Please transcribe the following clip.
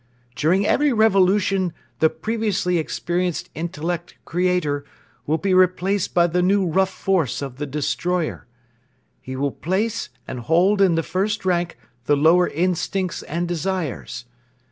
During every revolution the previously experienced intellect creator will be replaced by the new rough force of the destroyer. He will place and hold in the first rank the lower instincts and desires.